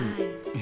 え？